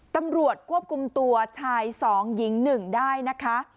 ตำรวจควบคุมตัวชาย๒หญิง๑ได้นะคะ